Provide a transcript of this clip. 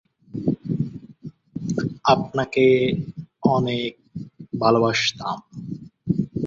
প্রাচীন যুগে মানুষের সাথে পাখির সম্পর্ক ছিল আসলে খাদ্য-খাদকের সম্পর্ক।